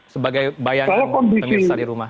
sebagai bayangan pemirsa di rumah